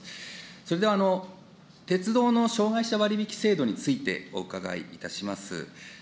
それで、鉄道の障害者割引制度についてお伺いいたします。